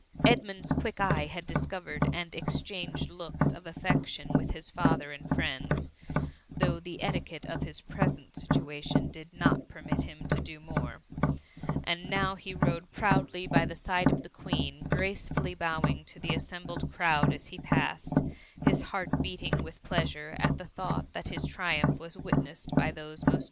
Edmund's quick eye had discovered, and exchanged looks of afiection with his father and friends, though the etiquette of his present situation did not permit him to do more; and he now rode proudly by the side of the Queen, gracefully bowing to the assembled crowd as he passed, his heart beating with pleasure at the thought that his triumph was witnessed by those most N 6 2T4 tffB MUMMY.